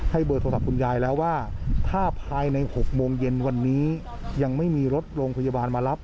เบอร์โทรศัพท์คุณยายแล้วว่าถ้าภายใน๖โมงเย็นวันนี้ยังไม่มีรถโรงพยาบาลมารับ